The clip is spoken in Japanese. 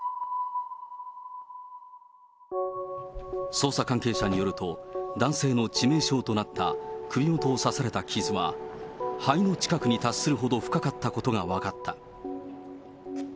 捜査関係者によると、男性の致命傷となった首元を刺された傷は、肺の近くに達するほど深かったことが分かった。